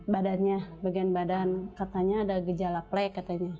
badannya bagian badan katanya ada gejala plek katanya